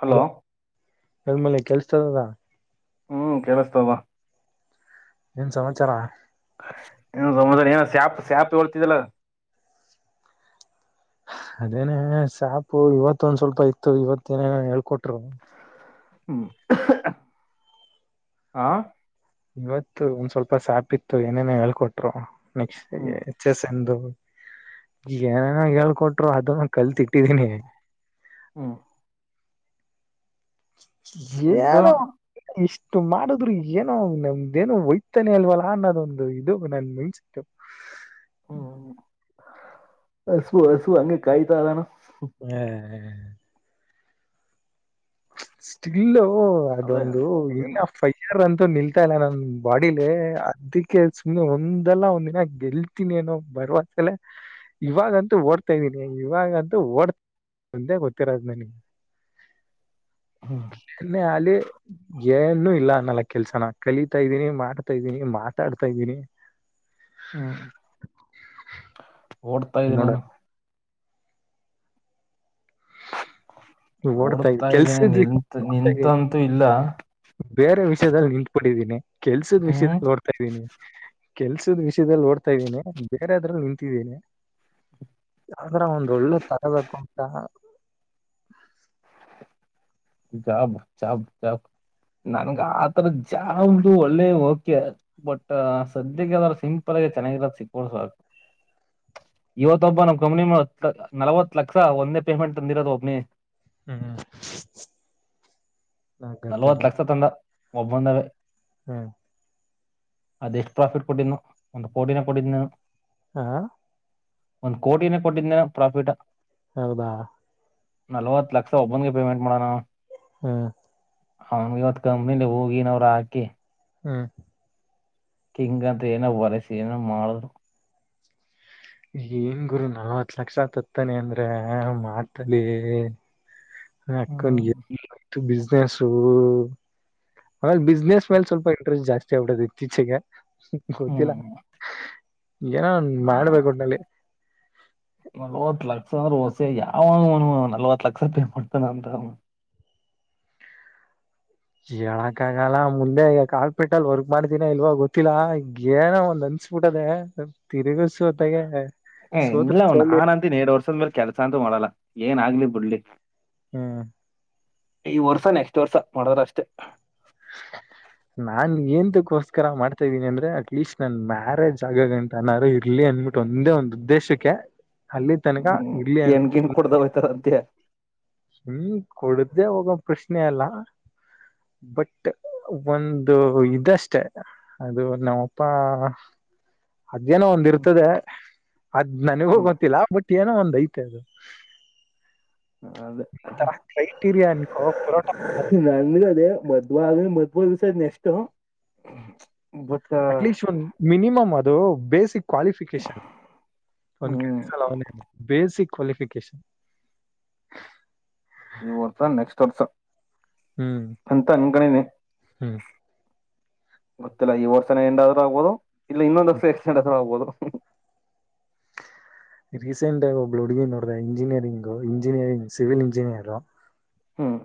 Hello ಎಲ್ಮೇಲೆ ಕೆಲ್ಸತದದ ಹ್ಮ್ ಕೆೇಳಸ್ತಾವ ಏನ್ ಸಮಾಚಾರ ಏ ಶ್ಯಾಪ್ ಶ್ಯಾಪ್ ಹೊಳ್ತಿದ್ದಲ್ಲ ಅದೇನೆ ಸಾಪು ಇವತ್ತು ಒಂದ್ ಸ್ವಲ್ಪ ಇತ್ತು ಇವತ್ತೇಏನೇ ಹೇಳ್ಕೊಟ್ರು ಹ್ಮ ಆ ಇವತ್ತು ಒಂದ್ ಸ್ವಲ್ಪ ಶ್ಯಾಪ ಇತ್ತು ಏನೇನ ಹೇಳ್ಕೊಟ್ರು ನಕ್ಸ್ಟ ಹ್ಮ್ ಎಚ್ ಎಸ್ ಎಂದು ಏನನ ಹೇಳ್ಕೊಟ್ರು ಅದನ್ನ ಕಲ್ತಿಟ್ಟಿದೀನಿ ಹ್ಮ ಇದು ಏನು ಇಷ್ಟ ಮಾಡುದ್ರು ಏನೋ ನಮ್ದೇನೋ ಒಯ್ತಾನೆ ಅಲ್ವಲ್ಲ ಅನ್ನೋದೊಂದು ಇದು ನನ್ ಮೆನ್ಸಟ್ಟ ಹ್ಮ ಹಸವು ಹಸವು ಅಂಗೆ ಕಾಯತ ಅಲ್ಲಾನ ಹ್ಮ್ ಹ ಸ್ಟಿಲ್ಲ ಅದೇ ಅದೊಂದು ಇಲ್ಲ ಏನು ಫೈಯರ್ ಅಂತ ನಿಲ್ತಾ ಇಲ್ಲ ನನ್ನ ಬಾಡಿಲಿ ಅದಕ್ಕೆ ಸುಮ್ನೆ ಒಂದಲ್ಲ ಒಂದ್ ದಿನ ಗೆಲ್ತೀನಿ ಏನೋ ಬರವಸಲೆ ಇವಾಗಂತೂ ಓಡ್ತಾ ಇದ್ದೀನಿ ಇವಾಗಂತೂ ಓಡ್ತ ಮುಂದೆ ಗೊತ್ತಿರ ನನಗೆ ಹ್ಮ್ ಏನೆ ಆಲ್ಲಿ ಏನು ಇಲ್ಲ ನಲ ಕೆಲ್ಸನ ಕಲಿತಾ ಇದ್ದೀನಿ ಮಾಡ್ತಾ ಇದ್ದೀನಿ ಮಾತಾಡ್ತಾ ಇದ್ದೀನಿ [inaudible] ಹ್ಮ್ ಓಡ್ತಾ ಇದಿ ನೋಡ ನಾನು ಇದ್ದೀನಿ ಓಡ್ತಾ ಇದ್ದೇನೆ ಕೆಲ್ಸದ ವಿಷಯದಲ್ಲಿ ನಿಂತ್ ಓಡ್ತಾ ಇದ್ದೀನಿ ನಿಂತಂತೂ ಇಲ್ಲ ಬೇರೆ ವಿಷಯದಲ್ಲಿ ನಿಂತಬಿಟ್ಟಿದ್ದೀನಿ ಕೆಲ್ಸದ ಹ್ಮ್ ವಿಷಯದಲ್ಲಿ ಹೋಡ್ತಾ ಇದ್ದೀನಿ ಕೆಲ್ಸದ ವಿಷಯದಲ್ಲಿ ಓಡ್ತಾ ಇದ್ದೀನಿ ಬೇರೆ ಅದ್ರಲ್ಲಿ ನಿಂತಿದ್ದೀನಿ ಅಂದ್ರ ಒಂದ ಒಳ್ಳೆ ತಗಳಕಿಂತ ಜಾಬ ಜಾಬ್ ಜಾಬ್ ಹ್ಮ್ ನನ್ಗೆ ಹ್ಮ್ ಆತರ ಚಾ ಅಂಗಡಿ ಒಳ್ಳೆ ಓಕೆ ಬಟ್ ಸದ್ಯಕ್ಕೆದ್ರರು ಸಿಂಪಲ್ ಆಗಿ ಚೆನ್ನಾಗಿರೋದ ಸಿಗ್ಬೋದು ಇವತ್ತೊ ಒಬ್ಬ ನಮ್ ಕಂನಿ ನಲ್ವತ್ ಲಕ್ಷ ಒಂದೇ ಪೇಮೆಂಟ್ ತಂದಿರೋದು ಒಬ್ನಿ ಹೂಂ ನಲವತ್ತು ಲಕ್ಷ ತಂಡ ಒಬ್ಬಂದವ ಹೂಂ ಅದೆ ಎಷ್ಟು ಪ್ರಾಫಿಟ್ ಕೊಟ್ಟ್ನು ಒಂದು ಕೋಟಿನೇ ಕೊಡಿದ್ನೇನೋ ಹಾ ಒಂದ್ ಕೋಟಿನೇ ಕೊಟ್ಟಿದ್ದೇ ಪ್ರಾಫಿಟಾ ಹೌದಾ ನಲ್ವತ್ತು ಲಕ್ಷ ಒಬ್ಬನ್ಗೆ ಪೇಮೆಂಟ್ ಮಾಡನ ಅವ ಹಾ ಹಂ ಇವತ್ ಕಮ್ಮನಿ ಹೋಗಿ ನವರ್ ಹಾಕಿ ಹ್ಮ್ ಕಿಂಗ್ ಅಂತ ಏನೋ ವರಸಿ ಏನೋ ಮಾಡಿದ್ರು ಏನ್ ಗುರು ನಲವತ್ತು ಲಕ್ಷ ತತಾನೆ ಅಂದ್ರ ಮಾಡ್ತಲಿ ಅಕ್ಕನ ಹ್ಮ್ ಬ್ಯುಸಿನೆಸ್ಸು ಆಮೇಲೆ ಬಿಸ್ನೆಸ್ ಮೇಲೆ ಸ್ವಲ್ಪ ಇಂಟ್ರೆಸ್ಟ್ ಜಾಸ್ತಿ ಆಗ್ಬಿಟ್ಟೈತೆ ಇತ್ತೀಚೆಗೆ ಗೊತ್ತಿಲ್ಲ ಹ್ಮ್ ಏನ ಒಂದ್ ಮಾಡ್ಬೇಕು ಒಟ್ನಲ್ಲಿ [unintelligible] ಯಾವಾಗನು ನಲ್ವತ್ತು ಲಕ್ಷ ತೆಕ್ಕೊಡ್ತಾನೆ ಅಂತ ಹೇಳಕ್ಕ ಆಗಲ್ಲ ಮುಂದೆ ಈಗ ಕಾಲ್ಪಿಟ್ಟಲ್ ವರ್ಕ್ ಮಾಡ್ತೀನ ಇಲ್ವ ಗೊತ್ತಿಲ್ಲ ಏನ ಒಂದ್ [unintelligible] ತಿರುಗಸೋತ್ತಾಗೆ ಹ್ಮ್ ಸೋತ ಇಲ್ಲ ಸೋಲಿ ನಾನ್ ಅಂತೀನೀ ಎರಡ್ ವರ್ಷದ ಮೇಲೆ ಕೆಲ್ಸ ಅಂತೂ ಮಾಡಲ್ಲ ಏನ್ ಆಗ್ಲಿ ಬಿಡ್ಲಿ ಹ್ಮ್ ಈ ವರ್ಷ ನೆಕ್ಸ್ಟ್ ವರ್ಸ ಮಾಡ್ರ ಅಷ್ಟೇ ನಾನ್ ಎನ್ ಗೋಸ್ಕರ ಮಾಡ್ತಾ ಇದೀನಿ ಅಂದ್ರೆ ಅಟ್ ಲೀಸ್ಟ್ ನನ್ ಮ್ಯಾರಜ್ ಆಗ ಅಂತ ಅನಾರು ಇರ್ಲಿ ಅನ್ಬಿಟ್ಟು ಒಂದೇ ಒಂದು ಉದ್ದೆ ದೇಶಕ್ಕೆ ಅಲ್ಲಿ ತನಕ ಹ್ಮ್ ಇರ್ಲಿ ಅನ್ ಏನ್ಗಿನ್ ಕೊಡ್ದ ಶೋಕಿಗೆ ಹೋಯ್ತಾರ ಅಂತ್ಯ ಹ್ಮ್ ಕೊಡ್ದೇ ಹೋಗ ಪ್ರಶ್ನೆ ಅಲ್ಲ ಬಟ್ ಒಂದು ಇದಷ್ಟೆ ಅದು ನಾಮಪ್ಪ ಅದೇನೋ ಒಂದ್ ಇರ್ತದೆ ಅದ್ ನನಗು ಹ್ಮ್ ಗೊಂತಿಲ್ಲ ಬಟ್ ಏನೋ ಒಂದ್ ಐತ್ ತ್ತೆದು ಹ ಅದೇ ಅನ್ಕೋ ಪರೋಟ ನನ್ಗೆ ಅದೇ ಮದ್ಬಾಗ [unintelligible] next but at least minimum ಅದು ಬೇಸಿಕ್ ಕ್ವಾಲಿಫಿಕೇಶನ್ ಒಂದ್ ಹ್ಮ್ ಕೆಲಸ ಅಲ್ಲಿ ಅವನೇ ಬೇಸಿಕ್ ಕ್ವೆಲಿಫಿಕೇಷನ್ ಈ ವರ್ಷ ನೆಕ್ಸ್ಟ್ ವರ್ಷ ಹ್ಮ್ ಅಂತನ್ ಅಂಕಡಿನಿ ಹ್ಮ್ ಗೊತ್ತಿಲ್ಲ ಈ ವರ್ಷನ ಇಂದಾನೆ ಆಗಬಹುದು ಇಲ್ಲ ಇನ್ನೊಂದು ವರ್ಷ ಎಕ್ಸ್ಟ್ರಾಡ್ ಆದರೂ ಆಗಬಹುದು ರೀಸೆಂಟ್ ಆಗಿ ಒಬ್ಬಳು ಹುಡುಗಿ ನೋಡ್ದ ಇಂಜಿನಿಯರಿಂಗು ಇಂಜಿನಿಯರಿಂಗ್ ಸಿವಿಲ್ ಇಂಜಿನಿಯರು ಹ್ಮ್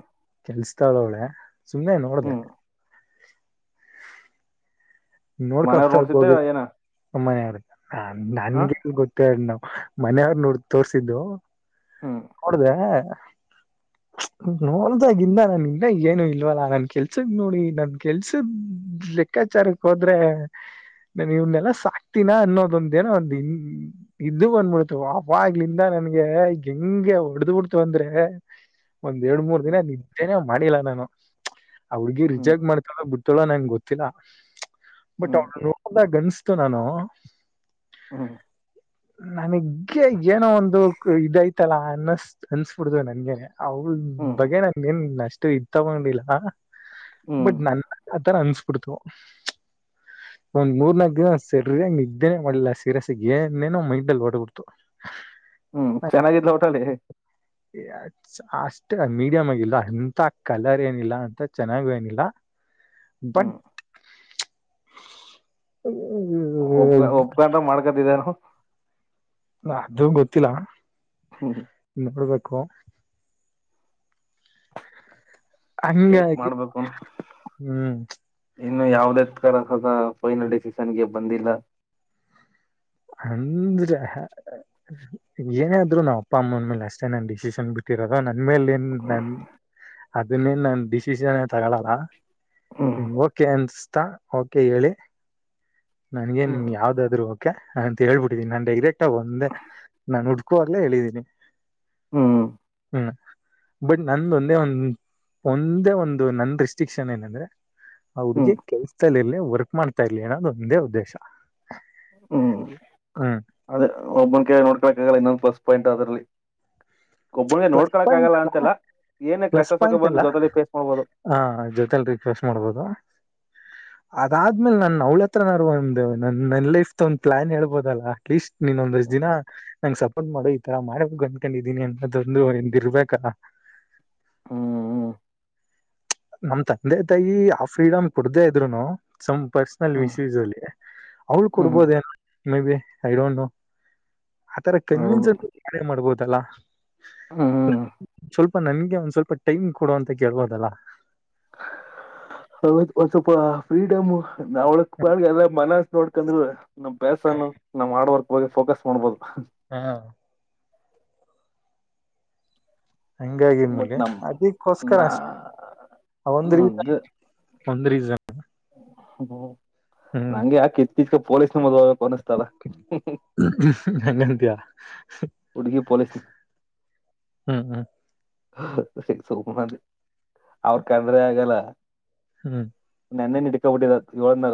ಕೆಲ್ಸತಾಳ ಅವಳೆ ಸುಮ್ಮ್ನೆ ನೋಡ್ದ ಹ್ಮ್ ಮನೆಯವ್ರು ನೋಡ್ಕಬಸಕೆ ನೋಡ್ಸಿದ್ದೆ ಹೋಗಿದೆ ಏನ ಅಮ್ಮಯಾರ್ ಹಾ ನನ್ಗೆ ಗೊತ್ತೆ ಇಲ್ಲ ಮನೆಯವ್ರ ನೋಡ ತೋರ್ಸಿದ್ದು ಹ್ಮ್ ನೋಡ್ದೆ ನೋಡ್ದಾಗಿಂದ ನನ್ ಇಂದ ಏನು ಇಲ್ವಲ್ಲಾ ನನ್ ಕೆಲ್ಸಗ್ ನೋಡಿ ನನ್ ಕೆಲ್ಸದ್ ಲೆಕ್ಕಾಚಾರಕ್ ಹೋದ್ರೆ ನಾನ ಇವನ್ನೆಲ್ಲ ಸಾಕ್ತೀನ ಅನ್ನೋದೊಂದೇನೋ ಒಂದ ಇದು ಬಂದ್ಬಿಡ್ತು ಅವಾಗ್ಲಿಂದ ನನ್ಗೆ ಹೆಂಗೆ ಹೊಡ್ದ್ ಬಿಡ್ತು ಅಂದ್ರೆ ಒಂದ್ ಎರಡ್ ಮೂರ್ ದಿನ ನಿದ್ದೇನೆ ಮಾಡಿಲ್ಲ ನಾನು ಅವಡ್ಗಿ ರಿಜ್ ಹ್ಮ್ ಮಾಡ್ಕಂಡು ತೊಳ ನಂಗೆ ಗೊತ್ತಿಲ್ಲ ಬಟ್ ಹ್ಮ್ ಅವ್ಳ ನೋಡ್ದಾಗ ಅನ್ಸ್ತು ನಾನು ಹ್ಮ ನನಗ್ಗೆ ಏನೋ ಒಂದು ಇದಯಿತಲ್ಲ ಅನ್ನಸ್ ಅನ್ಸ್ಬಿಡ್ದು ನನ್ಗೆ ಅವಳ ಬಗೆ ನನ್ ಏನ್ ಅಷ್ಟು ಇದ್ ತಗೊಂಡಿಲ್ಲ ಬಟ್ ಹ್ಮ್ ನನ್ ಅನ್ಸ್ ಬಿಡ್ತು ಒಂದ್ ಮೂರ್ ನಾಲ್ಕ್ ದಿನ ಸರರಿ ನ ಇದಿದ್ದೇನೆ ಮಾಡ್ಲಿಲ್ಲ ಸೀರಯಸ್ ಏನೇನೋ ಮೈಂಡಲ್ಲಿ ಹೊಟಬಿಡ್ತು ಹ್ಮ್ ಚೆನ್ನಾಗಿದ್ಲ ಟಳಿ ಅಷ್ಟ ಮೀಡಿಯಂ್ ಆಗಿಲ್ಲ ಅಂತ ಕಲರ್ ಏನಿಲ್ಲ ಅಂತ ಚೆನ್ನಾಗು ಏನಿಲ್ಲ ಬಟ್ ಹ್ಮ್ ಒಪ್ ಒಪ್ಕ ಮಾಡ್ಕತಿದ್ದಾರು ಅದು ಗೊತ್ತಿಲ್ಲ ಹ್ಮ್ ನೋಡ್ಬೇಕು ವೇಟ್ ಹಂಗಕಿ ಮಾಡ್ಬೇಕು ಹ್ಮ್ ಇನ್ನು ಯಾವುದೇ ತ ಸದ ಫೈನಲ್ ಡಿಸಿಷನ್ಗೆ ಬಂದಿಲ್ಲ ಅಂದ್ರೆ ಏನಾದ್ರು ನಾವ್ ಅಪ್ಪ ಅಮ್ಮನ ಮೇಲೆ ಅಷ್ಟೇ ನನ್ ಡಿಸಿಷನ್ ಬಿಟ್ಟಿರಲ್ಲ ನನ್ ಮೇಲೆ ಏನ್ ನನ್ ಅದನ್ನೇನ್ ನನ್ ಡಿಸಿಷನ್ ತಗೊಳಾರ ಹ್ಮ್ ನಿಮ್ ಓಕೆ ಅನ್ಸ್್ತಾ ಓಕೆ ಹೇಳಿ ನನ್ಗೇನ್ ಹ್ಮ್ ಯಾವ್ದಾದ್ರು ಓಕೆ ಅಂತ ಹೇಳ್ಬಿಟ್ಟಿದ್ದೀನಿ ನಾನ್ ಡೈಗರೆಕ್ಟ್ ಆಗ ಒಂದೇ ನಾನು ಹುಡ್ಕೋಲ್ಲ ಹೇಳಿದ್ದೀನಿ ಹ್ಮ್ ಹ್ಮ್ ಬಟ್ ನಂದ ಒಂದೇ ಒಂದ ಒಂದೇ ಒಂದು ನನ್ ರೆಿಸ್ಟ್ರಿಕ್ಷನ್ ಏನಂದ್ರೆ ಅವಡ್ಗ ಹ್ಮ್ ಕೆಲ್ಸತಾ ಇಲಿರ್ಲಿ ವರ್ಕ್ ಮಾಡ್ತಾ ಇರ್ಲಿ ಅನ್ನೋದು ಒಂದೇ ಉದ್ದೇಶ ಹ್ಮ್ ಹ್ಮ್ ಅದ ಒಬ್ಬನ್ ಕ ನೋಡ್ಕೊಕ್ ಆಗಲ್ಲ ಇನ್ನೊಂದು ಪ್ಲಸ್ ಪಾಯಿಂಟ್ ಅದರಲ್ಲಿ ಪ್ಪ ಇಂಟ ಅಲ್ಲ ಏನೇ ಪ್ಲಸ್ ಕಷ್ಟ ಸುಖ ಪಾಯಿಂಟ್ ಬಂದು ಎಲ್ಲ ಜೊತೆಲಿ ಫೇಸ್ ಮಾಡ್ಬೋದು ಹ ಜೊತೆಲಿ ರಿಕ್ವೆಸ್ಟ್ ಮಾಡ್ಬೋದು ಅದಾದ್ಮೇಲೆ ನಾನ್ ಅವ್ಳ ಹತ್ರ ನಂದ್ದೇ ನನ್ ನನ್ ಲೈಫ್ ಒಂದು ಪ್ಲಾನ್ ಹೇಬೋದಲ್ಲಾ ಅಟ್ಲೀಸ್ಟ್ ನೀನ್ೊಂದ ಷ್ಟ ದಿನ ನಂ್ ಸಪೋರ್ಟ್ ಮಾಡೋ ಈ ತರ ಮಾಡ ಅ್ಕೊಂಡಿದಿನನಿ ಹ ಹ್ಮ ಹ್ಮ ನಮ್ ತಂದೆ ತಾಯಿ ಆ ಫ್ರೀಡಮ್ ಕುಡ್ದೇ ಇದ್ರುನು ಪರ್ಸನಲ್ ಹ್ಮ್ ವಿಶ್ಯೂಸ್ ಅಲ್ಲಿ ಅವ್ಳು ಹ್ಮ್ ಕೊಡ್ಬೋದ maybe I don't know ಆತರ ಕನ್ವೀನ್ ಅ ಕಾರ ಮಾಡ್ಬೋದಲ್ಲಾ ಹ್ಮ ಸ್ವಲ್ಪ ನನ್ಗೆ ಒಂದ್ ಸ್ವಲ್ಪ ಟೈಮ್ ಕೊಡ ಅಂತ ಕೇಳ್ಬೋದಲ್ಲಾ ಒ ಸ್ವಲ್ಪ ಫ್ರೀಡಮ್ ನಾವಳಲ್ಲ ಮನ ನೋಡ್ಕಂದ್ರ ನಮ್ ಬ್ಯಸ ನಮ್ ಹಾರ್ಡ್ ವರ್ಕ್ ಬಗ್ಗೆ ಫೋಕಸ್ ಮಾಡ್ಬಹದು ಹಾ ಮೌನ ಹಂಗಾಗಿ ಮುಲ್ ಬಟ್ ನಮ್ ಅದಿಕ್ಕೋಸ್ಕರ ನಾ ಅಷ್ಟ ಒಂದ್ ಅದ ರೀಸನ್ ಒಂದ್ ರೀಸನ್ ಹ್ಮ್ಮ ಹ್ಮ್ ನಂಗೆ ಯಾ ಕಿತ್ತ ಕಿತ್ಕ ಪೊಲೀಸ್ ಕನಿಸತಲ್ಲ ಹಂಗಂತೀಯ ಉಡುಗಿ ಪೊಲೀಸ್ ಹ್ಮ್ ಹ್ಮ್ ಸುಮ್ಮನೆ ಅವ್ರ ತಂದ್ರೆ ಆಗಲ್ಲ ಹ್ಮ್ ನೆನ್ನೆ ಹಿಡ್ಕೊಬಿಟ್ಟಿದಿದೆ ಏಳನ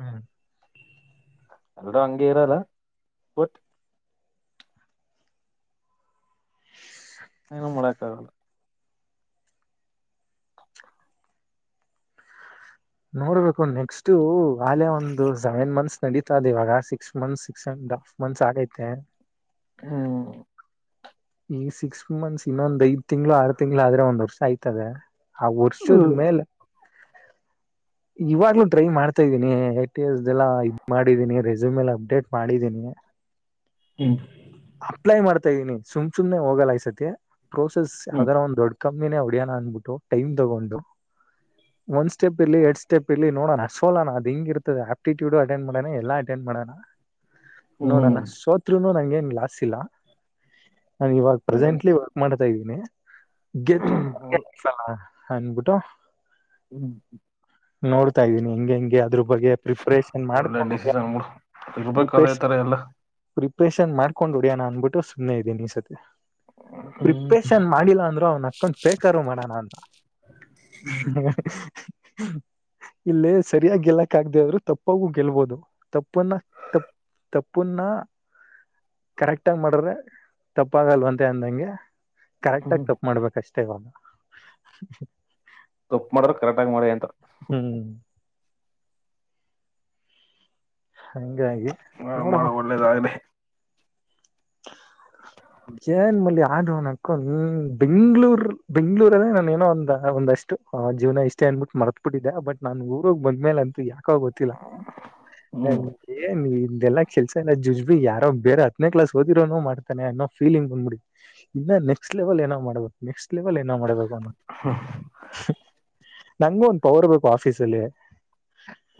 ಹ್ಮ ಎಲ್ರೂ ಹಂಗಗೆ ಇರಲ್ಲ ಬಟ್ ಏನುೂ ಮಾಡಕ್ ಆಾಗಲ್ಲ ನೋಡ್ಬೇಕು ನೆಕ್ಸ್ಟ್ ಆಲೆ ಒಂದು ಸೆವೆನ್ ಮಂತ್ಸ್ ಕಡೀಿತಾದೆ ಇವಾಗ six months six and half months ಆಗೈತೆ ಹ್ಮ ಈ ಸಿಕ್ಸ್ ಮಂತ್ಸ್ ಇನ್ನೊಂದ ಐ್ ತಿಂಗಳು ಆರು ತಿಂಗ್ಗಳು ಆದ್ರೆ ಒಂದ್ ವರ್ಷ ಆಯ್ತದೆ ಆ ವರ್ಷದ ಹ್ಮ್ ಮೇಲೆ ಇವಾಗ್ಲೂ ಟ್ರೈ ಮಾಡ್ತಾ ಇದ್ದೀನಿ ಟಸ್ಲ್ಲ ಇದ್ ಮಾಡಿದ್ದೀನಿ ರೆಸ್ಯೂಮ್ ಎಲ್ಲ ಅಪ್ಡೇಟ್ ಮಾಡಿದ್ದೀನಿ [unintelligible] ಹ್ಮ ಅಪ್ಲೈ ಮಾಡ್ತಾ ಇದೀನಿ ಸುಮ್ ಸುಮನೆ ಹೋಗಲ್ಲಾಯ್ಸತಿ ಪ್ರೋಸೆಸ್ ಹ್ಮ್ ಯಾವ್ದಾರ ಒಂದ್ ದೊಡ್ಡತ ಕಮ್ಮಿನೇ ಒಡಿಯಾನ ಅನ್ಬಿಟ್ಟು ಟೈಮ್ ತಗೊಂಡು ಒಂದ್ ಸ್ಟೆಪ್ ಇರ್ ಎರಡ್ ಸ್ಟೆಪ್ ಇರ್ ನೋಡೋನಾ ಸೋಲ ನ ಅದು ಹಿಂಗ ಇರ್ತದೆ ಆಪ್ಟಿಟ್ಯೂಡ್ ಅಟೆಂಡ್ ಮಾಡೇನೆ ಎಲ್ಲ ಅಟೆಂಡ ಮಾಡೋಣ ಹ್ಮ್ ನೋಡೋಣ ಸೋತ್ರರುನು ನಂಗೆನ್ ಲಾಸ್ ಇಲ್ಲ ನಾನು ಇವಾಗ ಹ್ಮ್ ಪ್ರೆಸೆಂಟ್ಲಿ ವರ್ಕ್ ಮಾಡ್ತಾ ಇದೀನಿ ಗೆದ್ದ [unintelligible] ಅನ್ಬಿಟ್ಟು ಹ ನೋಡ್ತಾ ಇದ್ದೀನಿ ಹೆಂಗಗೆ ಹೆಂಗೆ ಅದ್ರ ಬಗ್ಗೆ ಪ್ರಿಪ್ರೇಷನ್ ಒಳ್ಳೆ ಮಾಡ್ಕೊಂಡ ಡಿಸಿಷನ್ ಬಿಡು ಇರ್ಬೇಕು ಅದೇ ತರ ಎಲ್ಲ ಪ್ರಿಪ್ರೇಷನ್ ಮಾಡ್ಕೊಂಡು ಹೊಡಿಯೋಣ ಅನ್ಬಿಟ್ಟು ಸುಮ್ಮ್ನೆ ಇದ್ದೇನ ಈ ಸತಿ ಹ್ಮ್ ಪ್ರಿಪಷನ್ ಮಾಡಿಲ್ಲ ಅಂದ್ರು ಅವ್ನ ಅವನ ಅಕ್ಕನ ಫೇಕ್ ಆದ್ರೂ ಮಾಡೋಣ ಅಂತ ಹ ಇಲ್ಲೇ ಸರಿಯಾಗಿ ಗೆಲ್ಲಕ್ ಆಗ್ದ ಆದ್ರರು ತಪ್ಪಾಗೂ ಗೆಲ್ಬೋದು ತಪ್ಪ ತಪ್ಪುನ್ನ ತ ತಪ್ಪುನ್ನ ಕರೆಕ್ಟ್ ಆಗ ಮಾಡ್ರೆ ತಪ್ಪಾಗಲ್ವಂತೆ ಅಂದಂಗೆ ಕರೆಕ್ಟ್ ಆಗ ಹ್ಮ್ ತಪ್ಪು ಮಾಡ್ಬೇಕಷ್ಟೇ ಇವಾಗ ತುಪ್ಪ ಮಾಡ್ರರು ಕರೆಕ್ಟ ಆಗ ಮಾಡಿ ಅಂತ ಹ್ಮ್ ಹಂಗಾಗಿ ಹಾ ಮಾಡೋ ನೋಡವ ಮಾಡೋ ಒಳ್ಳೇದಾಗ್ಲಿ [unintelligible] ಜೇನ್ ಮಲ್ಲಿ ಆಗವನಕು ಬೆಂಗಳೂರು ಬೆಂಗ್ಳೂರ್ ಅಲ್ಲ ನಾನ ಏನೋ ಒಂದ ಒ ಒಷ್ಟು ಜೀವನ ಇಷ್ಟೇ ಅನ್ಬಿಟ್ಟು ಮರ್ತ್ಬ ಬಿಟ್ಟಿದೆ ಬಟ್ ನಾನ್ ಊರೋಗ ಬಂದ ಮೇಲೆ ಅಂತು ಯಕ ಗೊತ್ತಿಲ್ಲ [unintelligible] ಹ್ಮ್ ಅದೆಲ್ಲ ಕೆಲ್ಸ ಎಲ್ಲ ಜುಜುಬಿ ಯಾರೋ ಬೇರೆ ಹತ್ತನೇ ಕ್ಲಾಸ್ ಸೋದಿರೋೋ ಮಾಡತಾನೆ ಅನ್ನೋ ಫೀಲಿಂಗ್ ಬಂದ್ಬಿಡಿ ಇನ್ನ ನೆಕ್ಸ್ಟ್ ಲೆವೆಲ್ ಏನೋ ಮಾಡ್ಬೇಕು ನೆಕ್ಸ್ಟ್ [unintelligible] ನಂಗು ಒಂದ್ ಪವರ್ ಬು ಆಫೀಸ ಅಲ್ಲಿ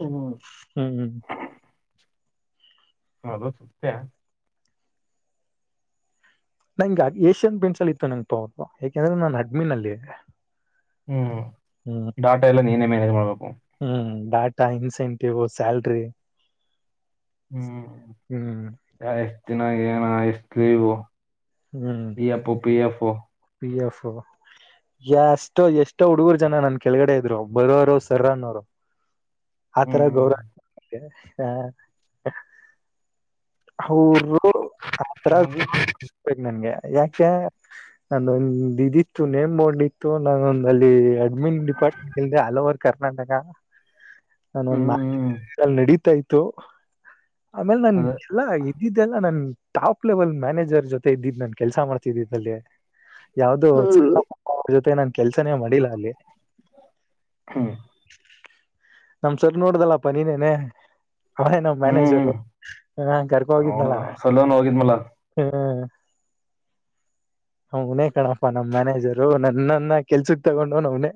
ಹ್ಮ್ ಹ್ಮ್ ಅನಿಸುತ್ತೆ ನಂಗೆ ಏಷ್ಯನ್ ಪಿಂಟ್ಸ್ ಅ ಇತ್ತು ನಂಗಗೆ ಪವರ್ ಯಾಕೆಂದ್ರೆ ನಾನ್ ಅಡ್ಮಿನಲ್ಲಿ ಹ್ಮ್ ಡಾಟಾ ಎಲ್ಲ ನೀನೇ ಮನೇಜ್ ಮಾಡಬೇಕ ಹ್ಮ್ ಡಾಟಾ ಇನ್ಸೆಂಟಿವ್ ಸ್ಯಲ್ರಿ ಹ್ಮ್ ಎ ಎಷ್ಟ ದಿನಾಗ ಏನ ಎಷ್ಟು ಲೀವು ಹ್ಮ್ ಈ F P F P F ಎಷ್ಟೋ ಎಷ್ಟೋ ಹುಡುಗರು ಜನ ನನ್ ಕೆಳಗಡೆ ಇದ್ರು ಬರೋರು ಸರ್ ಅನ್ನೋರು ಆ ತರ ಹ್ಮ್ ಗೌರವ ಹಾ ಅವ ಹತ್ರ ನನ್ಗೆ ಯಾಕೆ ನಂದ ಒಂದ ಇದಿತ್ತು ನೇಮ್ ಬೋರ್ಡ್ ಇತ್ತು ನಾನೊಂದಲ್ಲಿ ಅಡ್ಮಿನ್ ಡಿಪಾರ್ಟ್ಮೆಂಟ್ಲ್ ಆಲ್ ಓವರ್ ಕನಾ ಕನಾಟಕ ನಾನೊಂದ್ ಹ್ಮ್ ನಡೀತಾ ಇತತ್ತು ಆಮೇಲೆ ನಾನ ಅದ ಎಲ್ಲಾ ಇದ್ದಿದ್ದೆಲ್ಲ ನನ್ ಟಾಪ್ ಲೆವೆಲ್ ಮ್ಯಾನೇಜರ್ ಜೊತೆ ಇದ್ದಿದ್ದ್ ನನ್ ಕೆಲ್ಸ ಮಾಡ್ತಿದ್ದಿದಲ್ಲಿ ಯಾವ್ದೋ ಅವ ಜೊತೆ ನನ್ ಕೆಲ್ಸನೇ ಮಾಡಿಲ್ಲ ಅಲ್ಲಿ ಹ್ಮ್ ನಮ ಸರ್ ನೋಡ್ದಲ್ಲ ಪನಿನೇನೆ ಹ ನಾವ್ ಹ್ಮ್ ಮ್ಯಾನೇಜರು ಹ ಕರ್ಕ ನೋಡ ಹೋಗಿದ್ನಲ್ಲ ಸಲೂನ್ ಹೋಗಿದ್ಮಲ. ಹ್ಮ ಅವನೇ ಕಣಪ ನಮ್ ಮ್ಯಾನೇಜರು ನನ್ನನ್ನ ಕೆಲ್ಸಕ್ ತಗೊಂಡು ಅವ್ನೇ